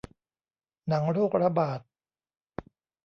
หนังโรคระบาด